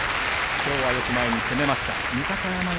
きょうはよく前に攻めました。